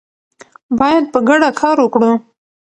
باید په ګډه کار وکړو.